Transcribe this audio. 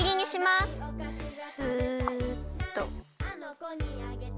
すっと。